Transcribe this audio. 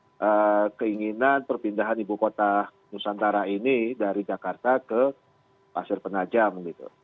ataupun bahkan ada yang nyinyir terhadap keinginan perpindahan ibu kota nusantara ini dari jakarta ke pasir penajam